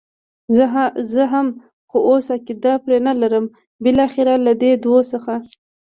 زه هم، خو اوس عقیده پرې نه لرم، بالاخره له دې دوو څخه.